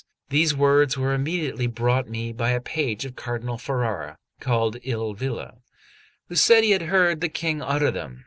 These words were immediately brought me by a page of Cardinal Ferrara, called Il Villa, who said he had heard the King utter them.